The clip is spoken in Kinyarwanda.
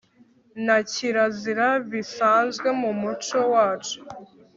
na kirazira bisanzwe mu muco wacu